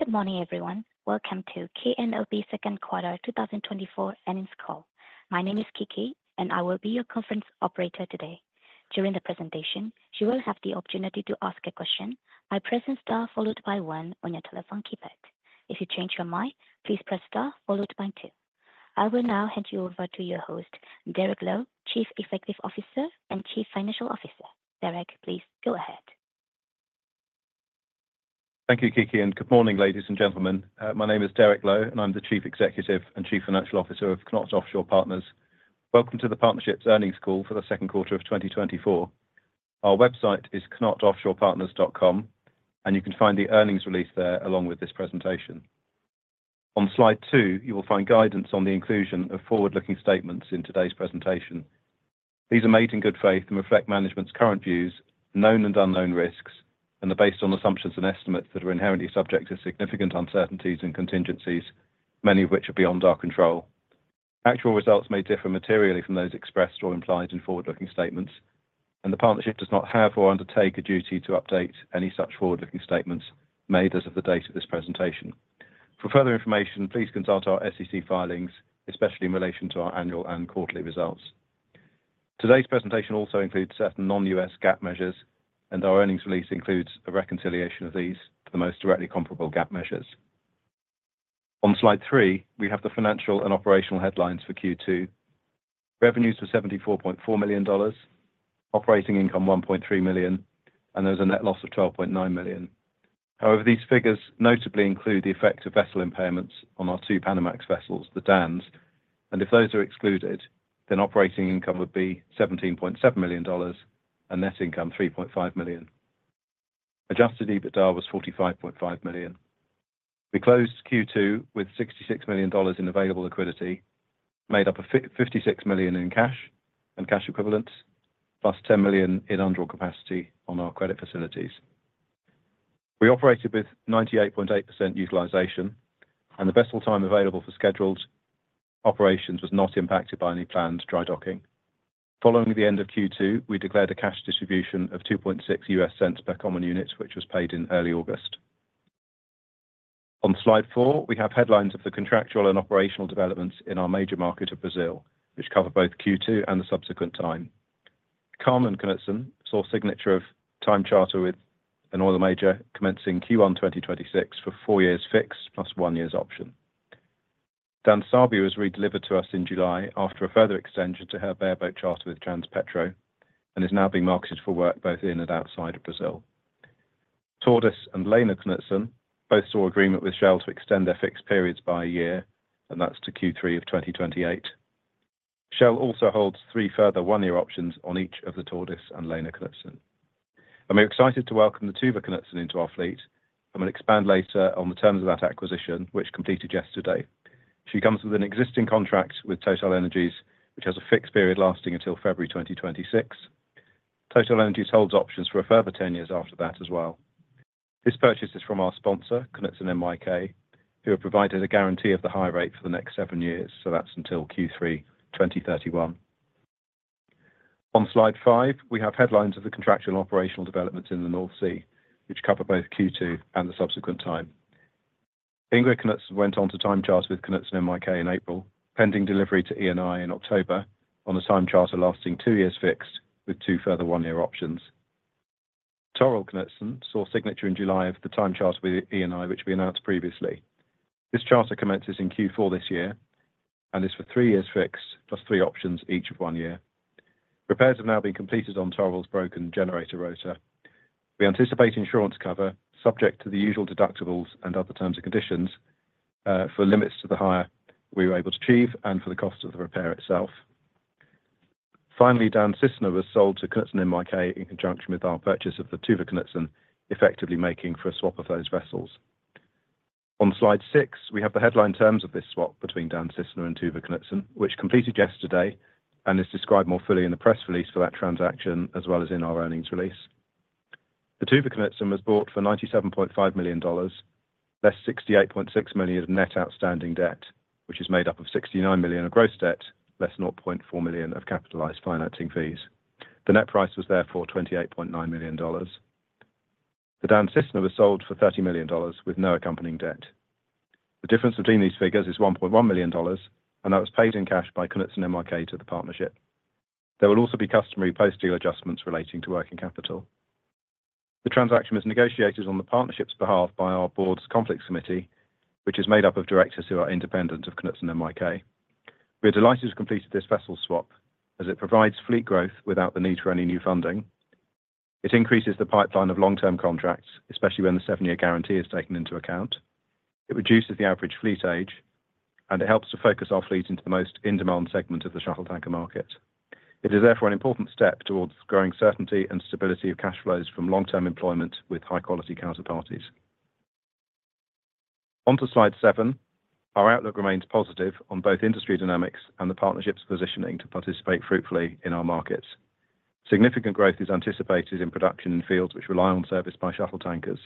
Good morning, everyone. Welcome to KNOP second quarter 2024 earnings call. My name is Kiki, and I will be your conference operator today. During the presentation, you will have the opportunity to ask a question by pressing Star followed by one on your telephone keypad. If you change your mind, please press Star followed by two. I will now hand you over to your host, Derek Lowe, Chief Executive Officer and Chief Financial Officer. Derek, please go ahead. Thank you, Kiki, and good morning, ladies and gentlemen. My name is Derek Lowe, and I'm the Chief Executive and Chief Financial Officer of KNOT Offshore Partners. Welcome to the Partnership's Earnings Call for the second quarter of 2024. Our website is knotoffshorepartners.com, and you can find the earnings release there along with this presentation. On Slide two, you will find guidance on the inclusion of forward-looking statements in today's presentation. These are made in good faith and reflect management's current views, known and unknown risks, and are based on assumptions and estimates that are inherently subject to significant uncertainties and contingencies, many of which are beyond our control. Actual results may differ materially from those expressed or implied in forward-looking statements, and the Partnership does not have or undertake a duty to update any such forward-looking statements made as of the date of this presentation. For further information, please consult our SEC filings, especially in relation to our annual and quarterly results. Today's presentation also includes certain non-GAAP measures, and our earnings release includes a reconciliation of these to the most directly comparable GAAP measures. On Slide 3, we have the financial and operational headlines for Q2. Revenues were $74.4 million, operating income $1.3 million, and there was a net loss of $12.9 million. However, these figures notably include the effect of vessel impairments on our two Panamax vessels, the Dans, and if those are excluded, then operating income would be $17.7 million and net income $3.5 million. Adjusted EBITDA was $45.5 million. We closed Q2 with $66 million in available liquidity, made up of $56 million in cash and cash equivalents, plus $10 million in undrawn capacity on our credit facilities. We operated with 98.8% utilization, and the vessel time available for scheduled operations was not impacted by any planned dry docking. Following the end of Q2, we declared a cash distribution of $0.026 per common unit, which was paid in early August. On Slide 4, we have headlines of the contractual and operational developments in our major market of Brazil, which cover both Q2 and the subsequent time. Carmen Knutsen signing of time charter with an oil major commencing Q1 2026 for four years fixed plus one-year option. Dan Sabia was redelivered to us in July after a further extension to her bareboat charter with Transpetro and is now being marketed for work both in and outside of Brazil. Tordis and Lena Knutsen both saw agreement with Shell to extend their fixed periods by a year, and that's to Q3 of 2028. Shell also holds three further one-year options on each of the Tordis and Lena Knutsen. We're excited to welcome the Tuva Knutsen into our fleet, and we'll expand later on the terms of that acquisition, which completed yesterday. She comes with an existing contract with TotalEnergies, which has a fixed period lasting until February 2026. TotalEnergies holds options for a further 10 years after that as well. This purchase is from our sponsor, Knutsen NYK, who have provided a guarantee of the hire rate for the next seven years, so that's until Q3 2031. On Slide five, we have headlines of the contractual and operational developments in the North Sea, which cover both Q2 and the subsequent time. Ingrid Knutsen went on to time charter with Knutsen NYK in April, pending delivery to Eni in October on a time charter lasting two years fixed, with two further one-year options. Torill Knutsen saw signature in July of the time charter with Eni, which we announced previously. This charter commences in Q4 this year and is for three years fixed plus three options, each of one year. Repairs have now been completed on Torill's broken generator rotor. We anticipate insurance cover, subject to the usual deductibles and other terms and conditions, for limits to the higher we were able to achieve and for the cost of the repair itself. Finally, Dan Cisne was sold to Knutsen NYK in conjunction with our purchase of the Tuva Knutsen, effectively making for a swap of those vessels. On Slide six, we have the headline terms of this swap between Dan Cisne and Tuva Knutsen, which completed yesterday and is described more fully in the press release for that transaction, as well as in our earnings release. The Tuva Knutsen was bought for $97.5 million, less $68.6 million of net outstanding debt, which is made up of $69 million of gross debt, less $0.4 million of capitalized financing fees. The net price was therefore $28.9 million. The Dan Cisne was sold for $30 million with no accompanying debt. The difference between these figures is $1.1 million, and that was paid in cash by Knutsen NYK to the partnership. There will also be customary post-deal adjustments relating to working capital. The transaction was negotiated on the partnership's behalf by our board's Conflicts Committee, which is made up of directors who are independent of Knutsen NYK. We are delighted to have completed this vessel swap as it provides fleet growth without the need for any new funding. It increases the pipeline of long-term contracts, especially when the seven-year guarantee is taken into account. It reduces the average fleet age, and it helps to focus our fleet into the most in-demand segment of the shuttle tanker market. It is therefore an important step towards growing certainty and stability of cash flows from long-term employment with high-quality counterparties. On to Slide seven, our outlook remains positive on both industry dynamics and the partnership's positioning to participate fruitfully in our markets. Significant growth is anticipated in production in fields which rely on service by shuttle tankers.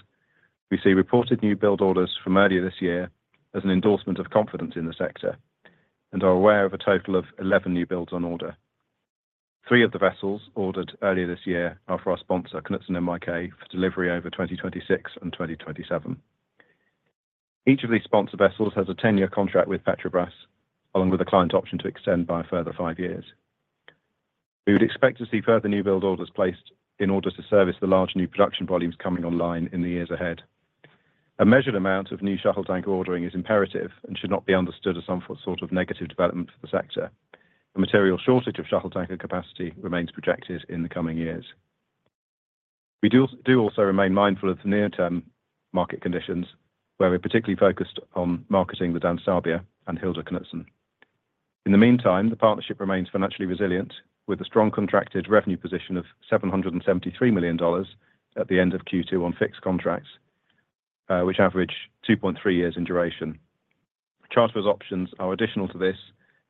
We see reported new build orders from earlier this year as an endorsement of confidence in the sector and are aware of a total of eleven new builds on order. Three of the vessels ordered earlier this year are for our sponsor, Knutsen NYK, for delivery over 2026 and 2027. Each of these sponsor vessels has a ten-year contract with Petrobras, along with a client option to extend by a further five years. We would expect to see further newbuild orders placed in order to service the large new production volumes coming online in the years ahead. A measured amount of new shuttle tanker ordering is imperative and should not be understood as some sort of negative development for the sector. A material shortage of shuttle tanker capacity remains projected in the coming years. We do also remain mindful of the near-term market conditions, where we're particularly focused on marketing the Dan Sabia and Hilda Knutsen. In the meantime, the partnership remains financially resilient, with a strong contracted revenue position of $773 million at the end of Q2 on fixed contracts, which average 2.3 years in duration. Charterer's options are additional to this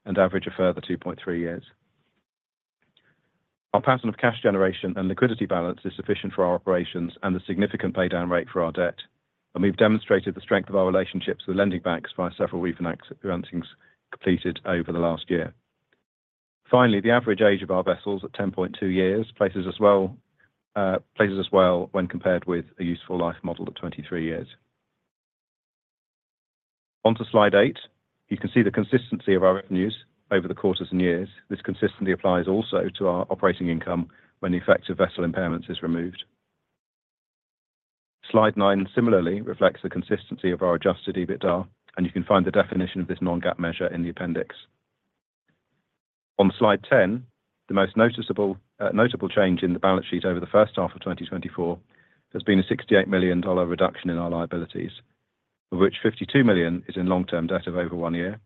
and average a further 2.3 years. Our pattern of cash generation and liquidity balance is sufficient for our operations and the significant paydown rate for our debt, and we've demonstrated the strength of our relationships with lending banks via several refinancings completed over the last year. Finally, the average age of our vessels at 10.2 years places us well, places us well when compared with a useful life model of 23 years. On to slide 8, you can see the consistency of our revenues over the quarters and years. This consistently applies also to our operating income when the effect of vessel impairments is removed. Slide 9 similarly reflects the consistency of our adjusted EBITDA, and you can find the definition of this non-GAAP measure in the appendix. On slide 10, the most noticeable notable change in the balance sheet over the first half of 2024, there's been a $68 million reduction in our liabilities, of which $52 million is in long-term debt of over one year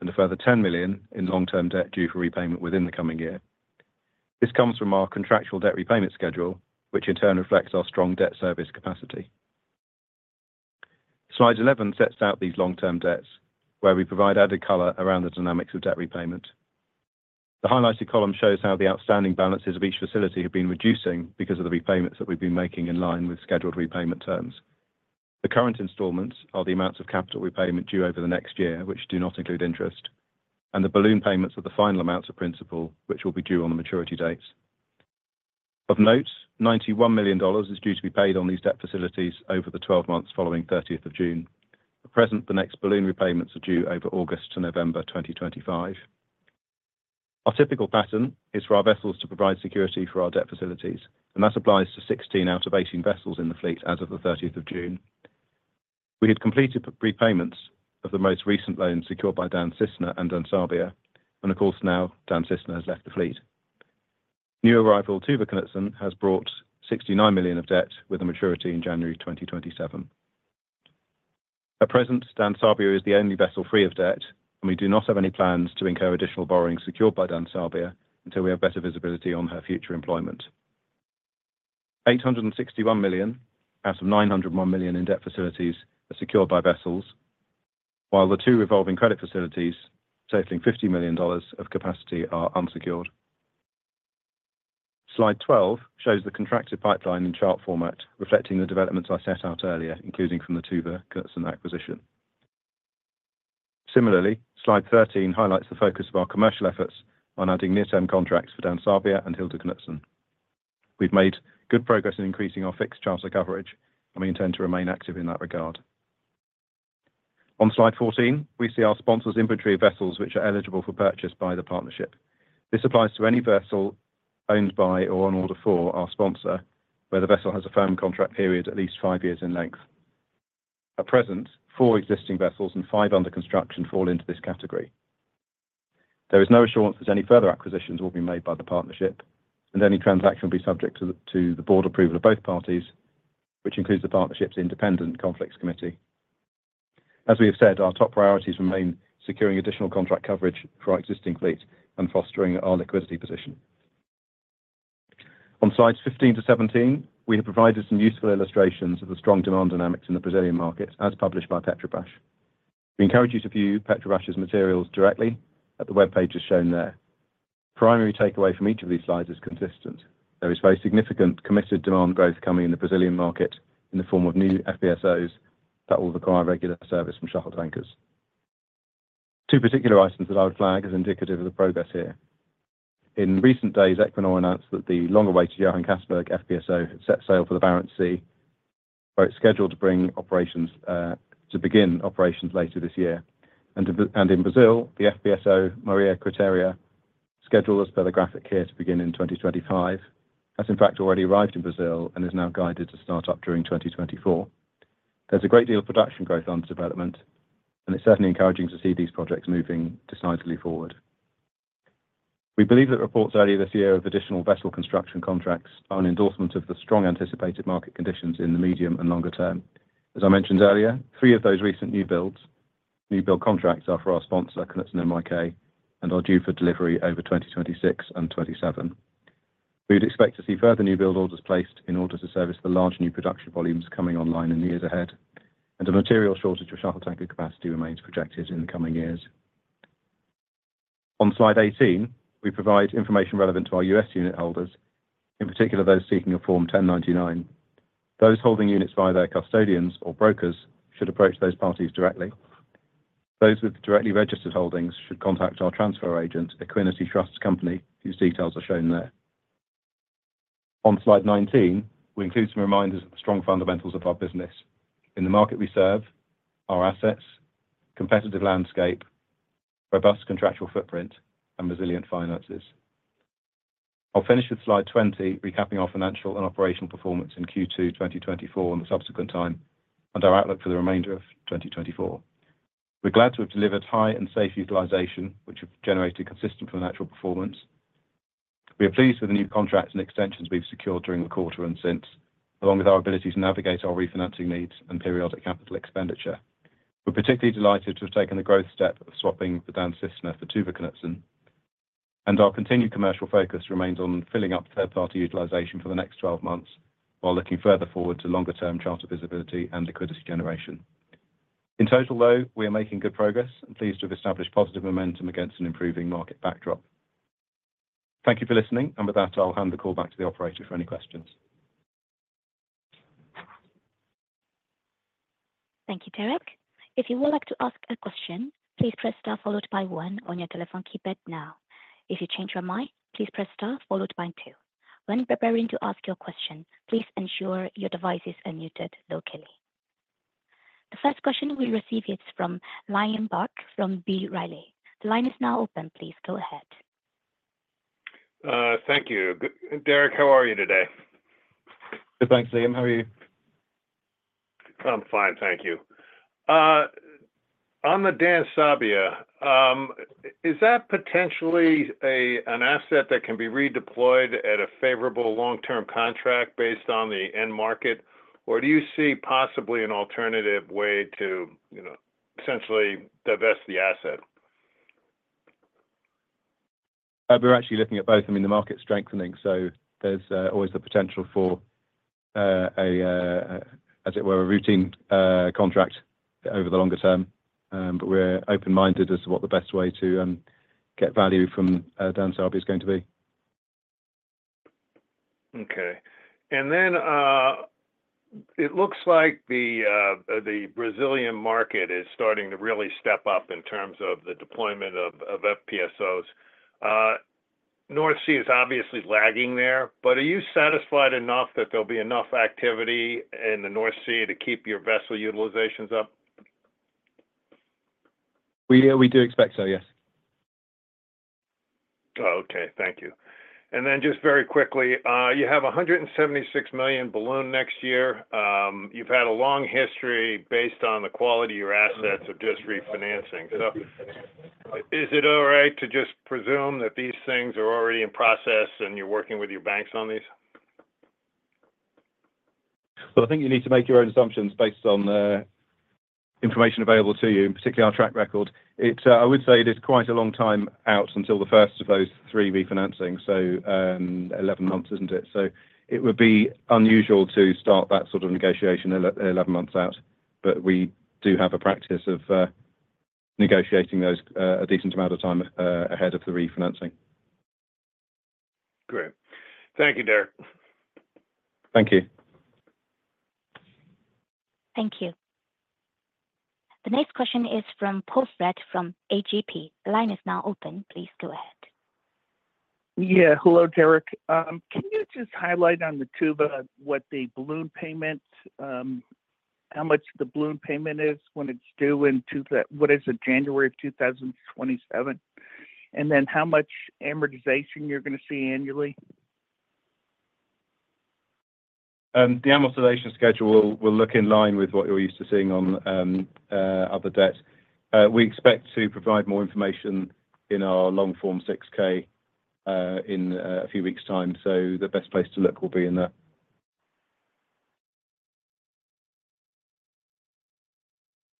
and a further $10 million in long-term debt due for repayment within the coming year. This comes from our contractual debt repayment schedule, which in turn reflects our strong debt service capacity. Slide 11 sets out these long-term debts, where we provide added color around the dynamics of debt repayment. The highlighted column shows how the outstanding balances of each facility have been reducing because of the repayments that we've been making in line with scheduled repayment terms. The current installments are the amounts of capital repayment due over the next year, which do not include interest, and the balloon payments are the final amounts of principal, which will be due on the maturity dates. Of note, $91 million is due to be paid on these debt facilities over the 12 months following thirtieth of June. At present, the next balloon repayments are due over August to November 2025. Our typical pattern is for our vessels to provide security for our debt facilities, and that applies to 16 out of 18 vessels in the fleet as of the thirtieth of June. We had completed prepayments of the most recent loans secured by Dan Cisne and Dan Sabia, and of course, now Dan Cisne has left the fleet. New arrival, Tuva Knutsen, has brought $69 million of debt with a maturity in January 2027. At present, Dan Sabia is the only vessel free of debt, and we do not have any plans to incur additional borrowing secured by Dan Sabia until we have better visibility on her future employment. $861 million out of $901 million in debt facilities are secured by vessels, while the two revolving credit facilities, totaling $50 million of capacity, are unsecured. Slide 12 shows the contracted pipeline in chart format, reflecting the developments I set out earlier, including from the Tuva Knutsen acquisition. Similarly, slide 13 highlights the focus of our commercial efforts on adding near-term contracts for Dan Sabia and Hilda Knutsen. We've made good progress in increasing our fixed charter coverage, and we intend to remain active in that regard. On slide 14, we see our sponsor's inventory of vessels which are eligible for purchase by the partnership. This applies to any vessel owned by or on order for our sponsor, where the vessel has a firm contract period at least five years in length. At present, four existing vessels and five under construction fall into this category. There is no assurance that any further acquisitions will be made by the partnership, and any transaction will be subject to the board approval of both parties, which includes the Partnership's Independent Conflicts Committee. As we have said, our top priorities remain securing additional contract coverage for our existing fleet and fostering our liquidity position. On slides 15-17, we have provided some useful illustrations of the strong demand dynamics in the Brazilian market, as published by Petrobras. We encourage you to view Petrobras' materials directly at the web page as shown there. Primary takeaway from each of these slides is consistent. There is very significant committed demand growth coming in the Brazilian market in the form of new FPSOs that will require regular service from shuttle tankers. Two particular items that I would flag as indicative of the progress here. In recent days, Equinor announced that the long-awaited Johan Castberg FPSO had set sail for the Barents Sea, where it's scheduled to begin operations later this year. In Brazil, the FPSO Maria Quitéria, scheduled as per the graphic here to begin in 2025, has in fact already arrived in Brazil and is now guided to start up during 2024. There's a great deal of production growth on development, and it's certainly encouraging to see these projects moving decisively forward. We believe that reports earlier this year of additional vessel construction contracts are an endorsement of the strong anticipated market conditions in the medium and longer term. As I mentioned earlier, three of those recent new builds, new build contracts are for our sponsor, Knutsen NYK, and are due for delivery over 2026 and 2027. We would expect to see further new build orders placed in order to service the large new production volumes coming online in the years ahead, and a material shortage of shuttle tanker capacity remains projected in the coming years. On slide 18, we provide information relevant to our U.S. unit holders, in particular, those seeking a Form 1099. Those holding units via their custodians or brokers should approach those parties directly. Those with directly registered holdings should contact our transfer agent, Equiniti Trust Company, whose details are shown there. On slide 19, we include some reminders of the strong fundamentals of our business in the market we serve, our assets, competitive landscape, robust contractual footprint, and resilient finances. I'll finish with slide 20, recapping our financial and operational performance in Q2 2024 and the subsequent time, and our outlook for the remainder of 2024. We're glad to have delivered high and safe utilization, which have generated consistent financial performance. We are pleased with the new contracts and extensions we've secured during the quarter and since, along with our ability to navigate our refinancing needs and periodic capital expenditure. We're particularly delighted to have taken the growth step of swapping the Dan Cisne for Tuva Knutsen, and our continued commercial focus remains on filling up third-party utilization for the next twelve months, while looking further forward to longer-term charter visibility and liquidity generation. In total, though, we are making good progress and pleased to have established positive momentum against an improving market backdrop. Thank you for listening, and with that, I'll hand the call back to the operator for any questions. Thank you, Derek. If you would like to ask a question, please press Star followed by one on your telephone keypad now. If you change your mind, please press Star followed by two. When preparing to ask your question, please ensure your device is unmuted locally. The first question we receive is from Liam Burke from B. Riley. The line is now open. Please go ahead. Thank you. Derek, how are you today? Good, thanks, Liam. How are you? I'm fine, thank you. On the Dan Sabia, is that potentially an asset that can be redeployed at a favorable long-term contract based on the end market? Or do you see possibly an alternative way to, you know, essentially divest the asset? We're actually looking at both. I mean, the market's strengthening, so there's always the potential for, as it were, a routine contract over the longer term. But we're open-minded as to what the best way to get value from Dan Sabia is going to be. Okay. And then, it looks like the Brazilian market is starting to really step up in terms of the deployment of FPSOs. North Sea is obviously lagging there, but are you satisfied enough that there'll be enough activity in the North Sea to keep your vessel utilizations up? We do expect so, yes. Okay, thank you. And then just very quickly, you have $176 million balloon next year. You've had a long history based on the quality of your assets of just refinancing. So is it all right to just presume that these things are already in process and you're working with your banks on these? I think you need to make your own assumptions based on the information available to you, particularly our track record. It, I would say it is quite a long time out until the first of those three refinancings, so, eleven months, isn't it? So it would be unusual to start that sort of negotiation eleven months out, but we do have a practice of, negotiating those, a decent amount of time, ahead of the refinancing. Great. Thank you, Derek. Thank you. Thank you. The next question is from Poe Fratt from AGP. The line is now open. Please go ahead. Yeah, hello, Derek. Can you just highlight on the Tuva, what the balloon payment, how much the balloon payment is, when it's due in January of 2027? And then how much amortization you're gonna see annually. The amortization schedule will look in line with what you're used to seeing on other debts. We expect to provide more information in our long-form 6-K in a few weeks time, so the best place to look will be in there.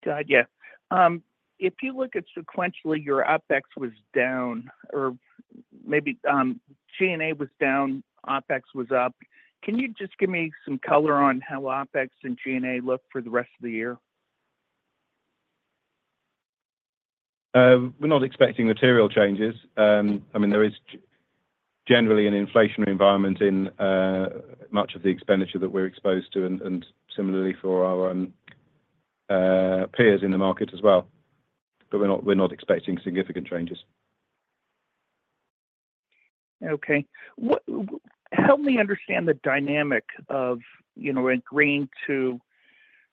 Got it, yeah. If you look at sequentially, your OpEx was down or maybe, G&A was down, OpEx was up. Can you just give me some color on how OpEx and G&A look for the rest of the year? We're not expecting material changes. I mean, there is generally an inflationary environment in much of the expenditure that we're exposed to, and similarly for our peers in the market as well. But we're not expecting significant changes. Okay. What, help me understand the dynamic of, you know, agreeing to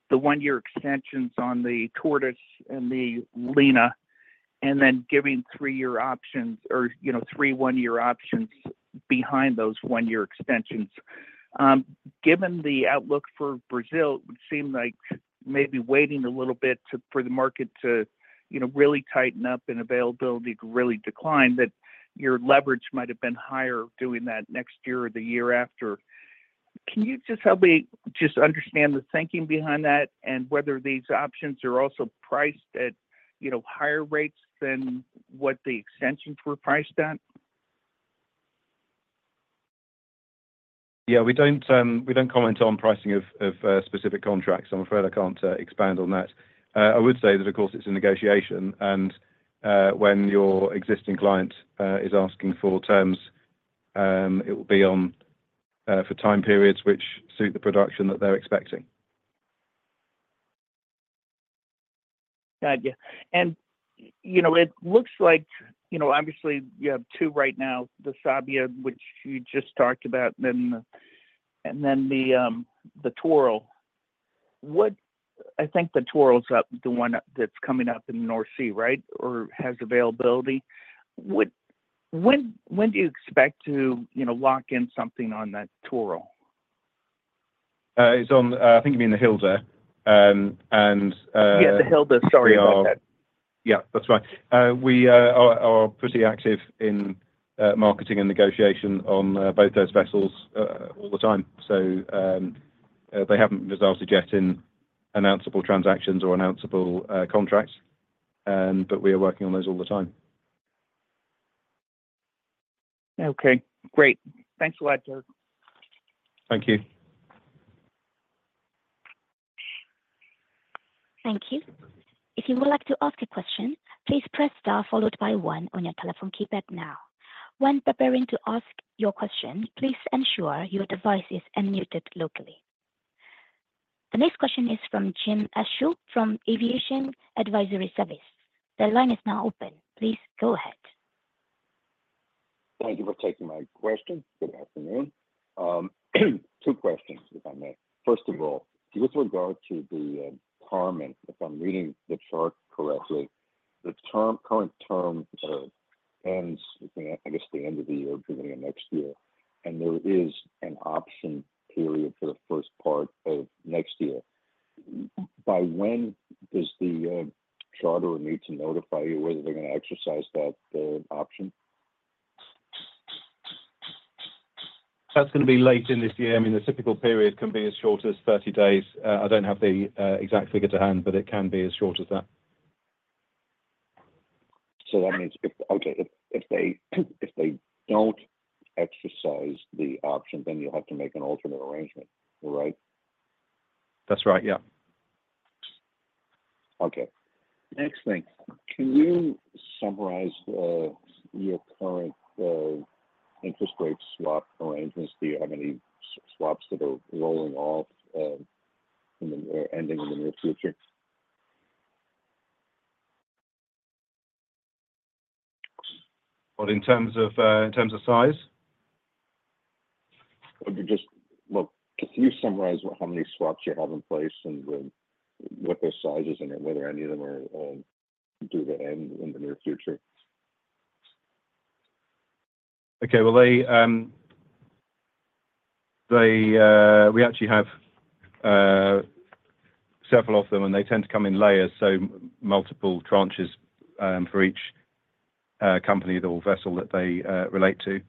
the one-year extensions on the Tordis Knutsen and the Lena Knutsen, and then giving three-year options or, you know, three one-year options behind those one-year extensions. Given the outlook for Brazil, it would seem like maybe waiting a little bit for the market to, you know, really tighten up and availability to really decline, that your leverage might have been higher doing that next year or the year after. Can you just help me just understand the thinking behind that, and whether these options are also priced at, you know, higher rates than what the extensions were priced at? Yeah, we don't comment on pricing of specific contracts. I'm afraid I can't expand on that. I would say that, of course, it's a negotiation, and when your existing client is asking for terms, it will be for time periods which suit the production that they're expecting. Got you. And, you know, it looks like, you know, obviously, you have two right now, the Sabia, which you just talked about, and then the Torill. What. I think the Torill is up, the one that's coming up in the North Sea, right? Or has availability. What, when do you expect to, you know, lock in something on that Torill? It's on. I think you mean the Hilda. Yeah, the Hilda. Sorry about that. Yeah, that's right. We are pretty active in marketing and negotiation on both those vessels all the time, so they haven't resulted yet in announceable transactions or announceable contracts, but we are working on those all the time. Okay, great. Thanks a lot, Derek. Thank you. Thank you. If you would like to ask a question, please press Star followed by one on your telephone keypad now. When preparing to ask your question, please ensure your device is unmuted locally. The next question is from Jim Altschul from Aviation Advisory Service. The line is now open. Please go ahead. Thank you for taking my question. Good afternoon. Two questions, if I may. First of all, with regard to the Carmen, if I'm reading the chart correctly, the current term ends, I guess, the end of the year, beginning of next year, and there is an option period for the first part of next year. By when does the charterer need to notify you whether they're gonna exercise that option? That's gonna be late in this year. I mean, the typical period can be as short as thirty days. I don't have the exact figure to hand, but it can be as short as that. So that means if. Okay, if they don't exercise the option, then you'll have to make an alternate arrangement, right? That's right. Yeah. Okay. Next thing. Can you summarize your current interest rate swap arrangements? Do you have any swaps that are rolling off in the near future or ending in the near future? But in terms of size? Okay, just, well, can you summarize how many swaps you have in place and what their size is, and whether any of them are due to end in the near future? Okay, well, we actually have several of them, and they tend to come in layers, so multiple tranches for each company or vessel that they relate to.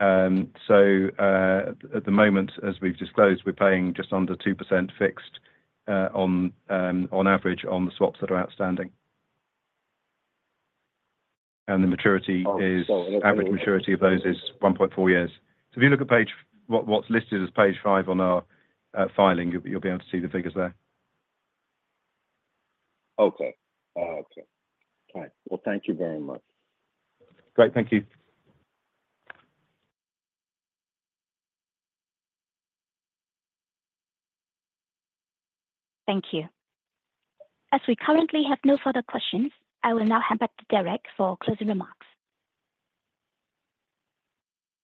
So, at the moment, as we've disclosed, we're paying just under 2% fixed on average on the swaps that are outstanding. And the maturity is- Oh, so. Average maturity of those is 1.4 years. So if you look at page. What's listed as page 5 on our filing, you'll be able to see the figures there. Okay. Okay. All right. Well, thank you very much. Great. Thank you. Thank you. As we currently have no further questions, I will now hand back to Derek for closing remarks.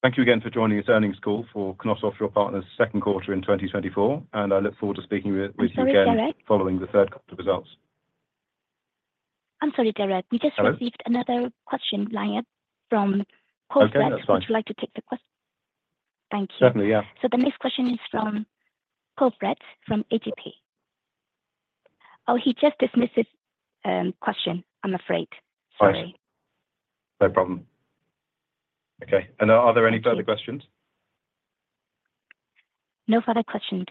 Thank you again for joining this earnings call for KNOT Offshore Partners second quarter in 2024, and I look forward to speaking with you again. I'm sorry, Derek. following the third quarter results. I'm sorry, Derek. Hello? We just received another question line from Poe Fratt. Okay, that's fine. Would you like to take the question? Thank you. Certainly, yeah. So the next question is from Poe Fratt from AGP. Oh, he just dismissed his question, I'm afraid. Fine. Sorry. No problem. Okay, and are there any further questions? No further questions.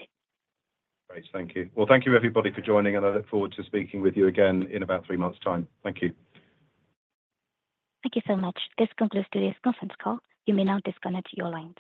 Great. Thank you. Thank you, everybody, for joining, and I look forward to speaking with you again in about three months time. Thank you. Thank you so much. This concludes today's conference call. You may now disconnect your line.